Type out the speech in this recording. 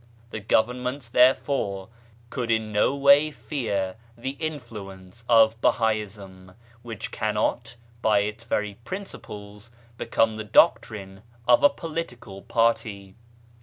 The governments, therefore, could in no way fear the influence of Bahaism, which cannot, by its very principles, become the doctrine of a political party.